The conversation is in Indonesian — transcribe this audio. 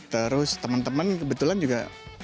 terus teman teman kebetulan juga